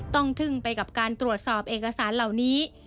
ทึ่งไปกับการตรวจสอบเอกสารเหล่านี้